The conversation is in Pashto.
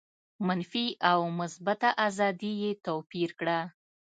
منفي او مثبته آزادي یې توپیر کړه.